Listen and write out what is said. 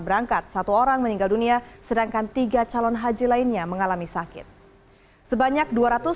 berangkat satu orang meninggal dunia sedangkan tiga calon haji lainnya mengalami sakit sebanyak